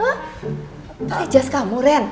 hah pake jas kamu ren